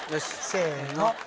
せの。